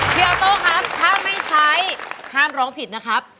ออโต้ครับถ้าไม่ใช้ห้ามร้องผิดนะครับ